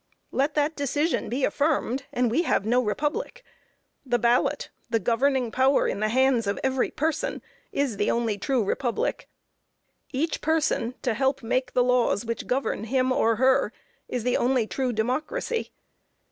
Let that decision be affirmed, and we have no republic; the ballot, the governing power in the hands of every person, is the only true republic. Each person to help make the laws which govern him or her, is the only true democracy.